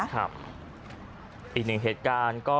ครับอีกหนึ่งเหตุการณ์ก็